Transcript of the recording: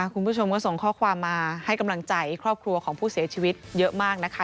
คุณผู้ชมก็ส่งข้อความมาให้กำลังใจครอบครัวของผู้เสียชีวิตเยอะมากนะคะ